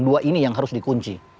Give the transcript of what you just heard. dua ini yang harus dikunci